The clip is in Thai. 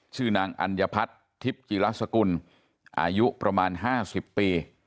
ชื่อนางอัญพัฒน์ทิพย์จีรสกุลอายุประมาณ๕๐ปี